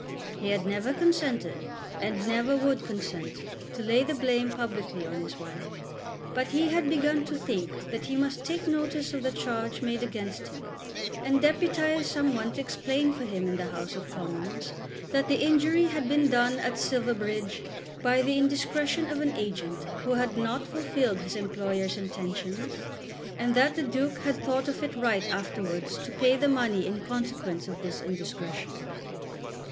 He had never consented, and never would consent, to lay the blame publicly on his wife; but he had begun to think that he must take notice of the charge made against him, and deputize some one to explain for him in the House of Commons that the injury had been done at Silverbridge by the indiscretion of an agent who had not fulfilled his employer's intentions, and that the Duke had thought it right afterwards to pay the money in consequence of this indiscretion.